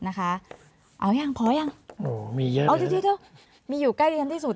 นะคะเอายังพอยังโอ้มีเยอะเลยเอาที่ที่ที่มีอยู่ใกล้เรียนที่สุด